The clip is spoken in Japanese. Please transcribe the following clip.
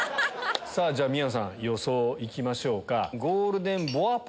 宮野さん予想いきましょうか。